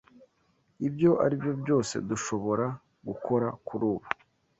Ibyo aribyo byose dushobora gukora kurubu.